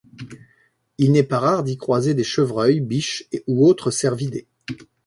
Il n'est pas rare d'y croiser des chevreuils, biches ou autres cervidés.